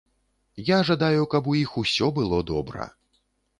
Я жадаю, каб у іх усё было добра.